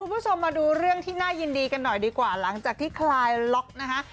คุณผู้ชมมาดูเรื่องที่น่ายินดีกันหน่อยดีกว่าหลังจากที่คลายล็อกนะคะ